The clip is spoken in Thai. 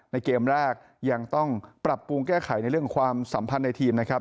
ในเกมแรกยังต้องปรับปรุงแก้ไขในเรื่องความสัมพันธ์ในทีมนะครับ